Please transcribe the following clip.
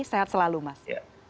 sehat selalu mas